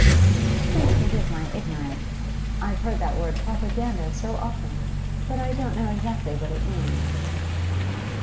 'Please forgive my ignorance. I've heard that word "Propaganda" so often, but I don't know exactly what it means.